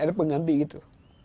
jadi saya tidak bisa mengerti